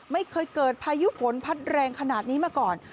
ไม่เคยเกิดพายุฝนพัดแรงขนาดนี้มาก่อน